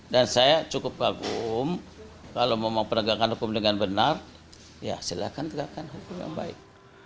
dan saya cukup kagum kalau mau penegakan hukum dengan benar silahkan penegakan hukum yang baik